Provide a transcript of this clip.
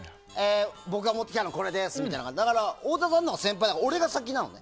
僕が持ってきたのはこれですって太田さんが先輩だから俺が先なの。